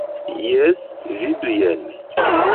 Jes, vidu jen.